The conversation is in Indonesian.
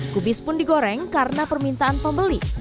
kubis pun digoreng karena permintaan pembeli